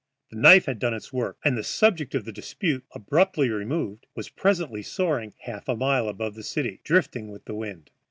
The knife had done its work, and the subject of dispute, abruptly removed, was presently soaring half a mile above the city, drifting with the wind.